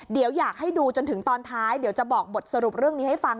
เดี๋ยวอยากให้ดูจนถึงตอนท้ายเดี๋ยวจะบอกบทสรุปเรื่องนี้ให้ฟัง